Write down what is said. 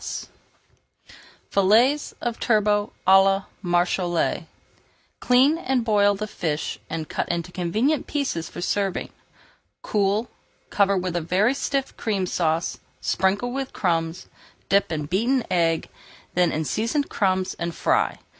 [Page 433] FILLETS OF TURBOT À LA MARÉCHALE Clean and boil the fish and cut into convenient pieces for serving. Cool, cover with a very stiff Cream Sauce, sprinkle with crumbs, dip in beaten egg, then in seasoned crumbs, and fry.